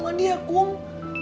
kau sendiri pinginnya gimana